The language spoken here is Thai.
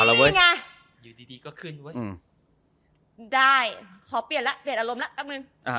นี่ไงอยู่ดีดีก็ขึ้นอืมได้ขอเปลี่ยนล่ะเปลี่ยนอารมณ์ล่ะแป๊บหนึ่งอ่า